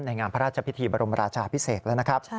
งามพระราชพิธีบรมราชาพิเศษแล้วนะครับ